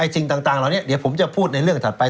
สิ่งต่างเหล่านี้เดี๋ยวผมจะพูดในเรื่องถัดไป